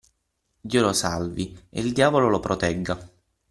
Dio lo salvi e il diavolo lo protegga.